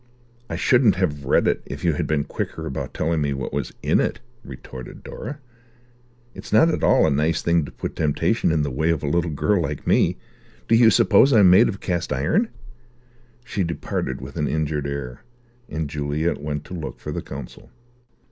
"I shouldn't have read it if you'd been quicker about telling me what was in it," retorted Dora. "It's not at all a nice thing to put temptation in the way of a little girl like me. Do you suppose I'm made of cast iron?" She departed with an injured air, and Juliet went to look for the consul.